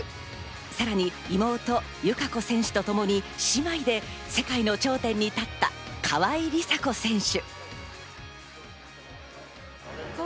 さらに、妹・友香子選手とともに姉妹で世界の頂点に立った川井梨紗子選手。